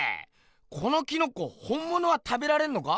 このキノコ本ものは食べられんのか？